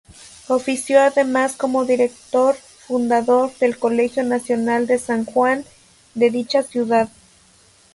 Ofició además como director fundador del Colegio Nacional de San Juan de dicha ciudad.